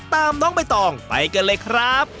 น้องใบตองไปกันเลยครับ